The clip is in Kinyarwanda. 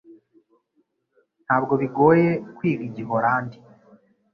Ntabwo bigoye kwiga Igiholandi